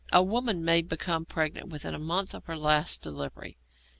A woman may become pregnant within a month of her last delivery.